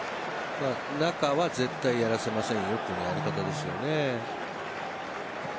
中は絶対やらせませんよというやり方ですよね。